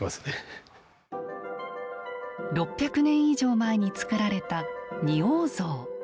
６００年以上前に作られた仁王像。